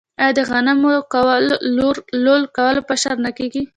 آیا د غنمو لو کول په اشر نه کیږي؟